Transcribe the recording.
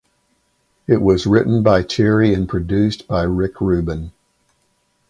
It was written by Cherry and produced by Rick Rubin.